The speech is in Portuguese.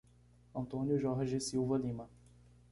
Antônio Jorge Silva Lima